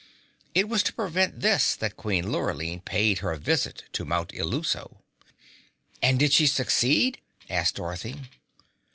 It was to prevent this, that Queen Lurline paid her visit to Mount Illuso." "And did she succeed?" asked Dorothy.